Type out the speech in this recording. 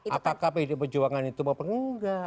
apakah pdi perjuangan itu mau pengguna